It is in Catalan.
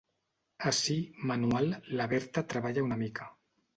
Ací, manual, la Berta treballa una mica.